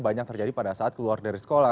banyak terjadi pada saat keluar dari sekolah